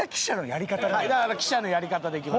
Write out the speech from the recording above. だから記者のやり方でいきます。